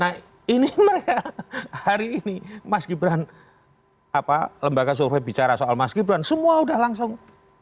nah ini mereka hari ini mas gibran apa lembaga survei bicara soal mas gibran semua sudah langsung